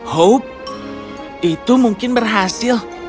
hope itu mungkin berhasil